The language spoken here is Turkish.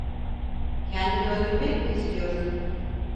Kendini öldürmek mi istiyorsun?